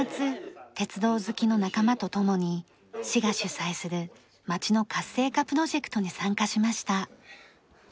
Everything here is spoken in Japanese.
鉄道好きの仲間と共に市が主催する街の活性化プロジェクトに参加しました。